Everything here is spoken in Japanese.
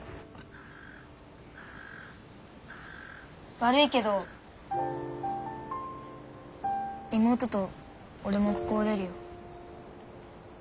悪いけど妹と俺もここを出るよ。